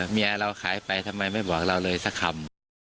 เมียเราขายไปทำไมไม่บอกเราเลยสักคำ